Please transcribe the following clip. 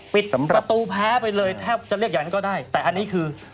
ประตูแพ้ไปเลยแทบจะเรียกอย่างนั้นก็ได้แต่อันนี้คือ